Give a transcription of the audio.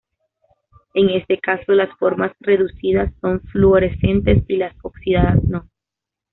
En este caso, las formas reducidas son fluorescentes y las oxidadas no.